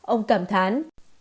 ông cảm thán